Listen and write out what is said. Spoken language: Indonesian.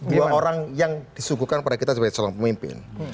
dua orang yang disuguhkan pada kita sebagai calon pemimpin